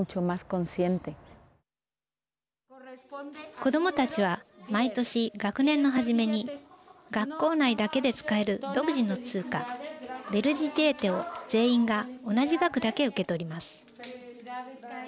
子どもたちは毎年学年の始めに学校内だけで使える独自の通貨ベルディジェーテを全員が同じ額だけ受け取ります。